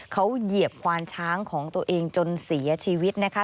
เขาเหยียบควานช้างของตัวเองจนเสียชีวิตนะคะ